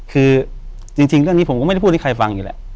คือจริงเรื่องนี้ผมก็ไม่ได้พูดให้ใครฟังอยู่แหละ